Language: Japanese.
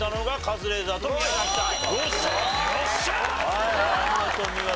はいはいお見事お見事。